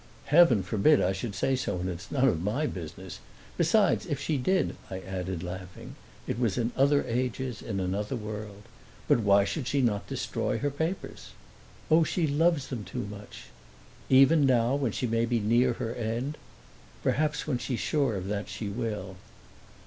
"Heaven forbid I should say so, and it's none of my business. Besides, if she did," I added, laughing, "it was in other ages, in another world. But why should she not destroy her papers?" "Oh, she loves them too much." "Even now, when she may be near her end?" "Perhaps when she's sure of that she will."